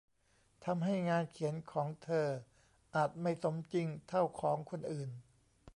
ทำให้งานเขียนของเธออาจไม่สมจริงเท่าของคนอื่น